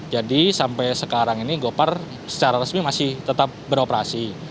jadi sampai sekarang ini gopar secara resmi masih tetap beroperasi